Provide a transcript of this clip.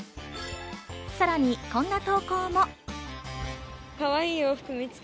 さらにこんな投稿も。